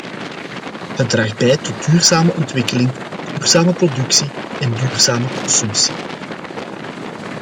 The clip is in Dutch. Het draagt bij tot duurzame ontwikkeling, duurzame productie en duurzame consumptie.